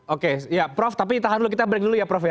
oke prof tapi kita break dulu ya prof ya